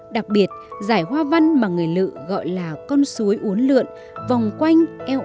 đặc biệt giải hoa văn mà người lự gọi là con suối uốn lượn vòng quanh eo